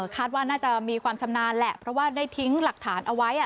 คาดว่าน่าจะมีความชำนาญแหละเพราะว่าได้ทิ้งหลักฐานเอาไว้